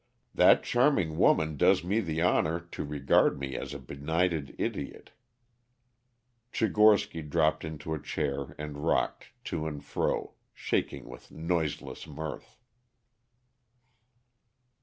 "That charming woman does me the honor to regard me as a benighted idiot." Tchigorsky dropped into a chair and rocked to and fro, shaking with noiseless mirth.